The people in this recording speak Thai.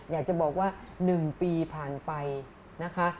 อยากจะบอกว่า๑ปีผ่านไปนะคะ